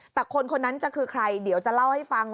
แต่คนคนนั้นจะคือใครเดี๋ยวจะเล่าให้ฟัง